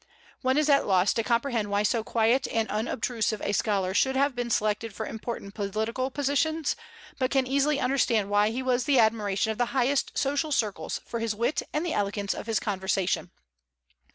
One is at loss to comprehend why so quiet and unobtrusive a scholar should have been selected for important political positions, but can easily understand why he was the admiration of the highest social circles for his wit and the elegance of his conversation.